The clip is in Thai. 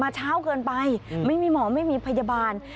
เช้าเกินไปไม่มีหมอไม่มีพยาบาล